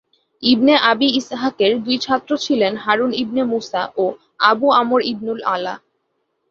ইবনে Abi ইসহাকের দুইজন ছাত্র ছিলেন হারুন ইবনে মুসা ও আবু আমর ইবনুল আলা।